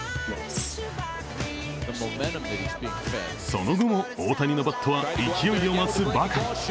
その後も大谷のバットは勢いを増すばかり。